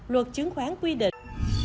luật chứng khoán quy định